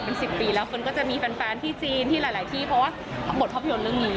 เป็น๑๐ปีแล้วเฟิร์นก็จะมีแฟนที่จีนที่หลายที่เพราะว่าบทภาพยนตร์เรื่องนี้